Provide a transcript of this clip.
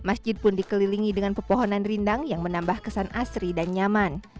masjid pun dikelilingi dengan pepohonan rindang yang menambah kesan asri dan nyaman